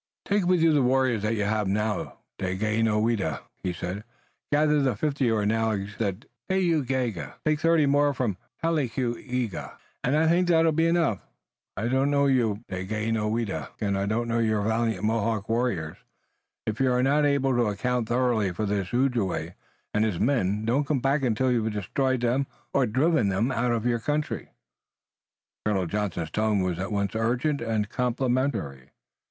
"Take with you the warriors that you have now, Daganoweda," he said. "Gather the fifty who are now encamped at Teugega. Take thirty more from Talaquega, and I think that will be enough. I don't know you, Daganoweda, and I don't know your valiant Mohawk warriors, if you are not able to account thoroughly for the Ojibway and his men. Don't come back until you've destroyed them or driven them out of your country." Colonel Johnson's tone was at once urgent and complimentary.